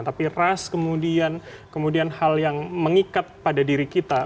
tapi ras kemudian kemudian hal yang mengikat pada diri kita